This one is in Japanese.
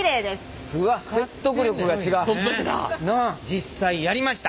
実際やりました。